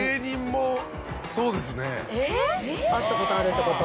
会ったことあるってこと？